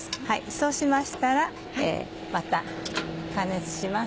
そうしましたらまた加熱します。